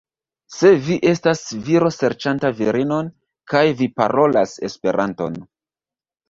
Se vi estas viro serĉanta virinon, kaj vi parolas Esperanton.